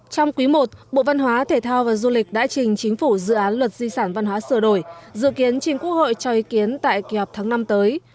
trong quý i bộ văn hóa thể thao và du lịch đã trình chính phủ dự án luật di sản văn hóa sửa đổi dự kiến trình quốc hội cho ý kiến tại kỳ họp tháng năm tới